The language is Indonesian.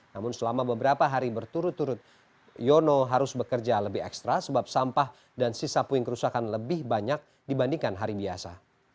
namun selama beberapa hari berturut turut yono harus bekerja lebih ekstra sebab sampah dan sisa puing kerusakan lebih banyak dibandingkan hari biasa